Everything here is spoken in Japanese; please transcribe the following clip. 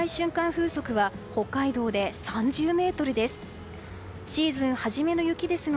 風速は北海道で３０メートルです。